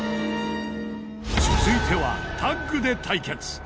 続いてはタッグで対決。